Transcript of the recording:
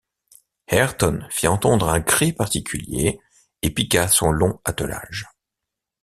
Ayrton fit entendre un cri particulier, et piqua son long attelage.